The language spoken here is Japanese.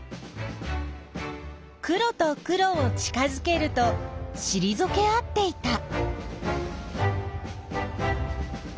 黒と黒を近づけるとしりぞけ合っていた。